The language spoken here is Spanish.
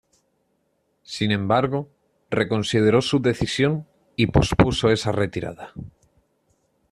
Sin embargo, reconsideró su decisión y pospuso esa retirada.